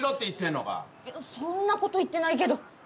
いやそんなこと言ってないけど。